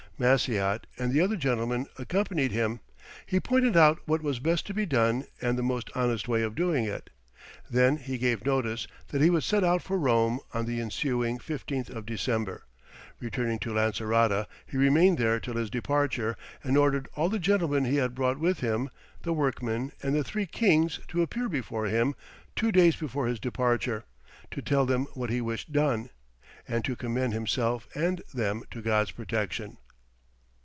Maciot and the other gentlemen accompanied him, he pointing out what was best to be done and the most honest way of doing it. Then he gave notice that he would set out for Rome on the ensuing 15th of December. Returning to Lancerota, he remained there till his departure, and ordered all the gentlemen he had brought with him, the workmen, and the three kings to appear before him two days before his departure, to tell them what he wished done, and to commend himself and them to God's protection.